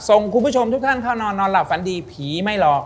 คุณผู้ชมทุกท่านเข้านอนนอนหลับฝันดีผีไม่หลอก